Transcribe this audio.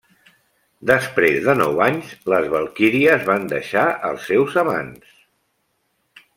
Després de nou anys, les valquíries van deixar els seus amants.